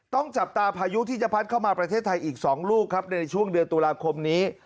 ต้องจับตาพายุที่จะพัดเข้ามาประเทศไทยอีก๒ลูกครับในช่วงเดือนตุลาคมนี้